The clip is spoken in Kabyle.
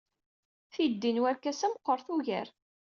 Tiddi n werkas-a meɣɣret ugar.